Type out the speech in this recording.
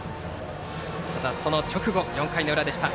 その直後、４回の裏でした。